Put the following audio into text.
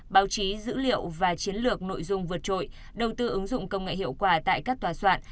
báo chí dữ liệu và chiến lược nội dung vượt trội đầu tư ứng dụng công nghệ hiệu quả tại các tòa soạn